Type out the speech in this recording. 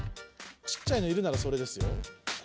ちっちゃいのいるならそれですよ。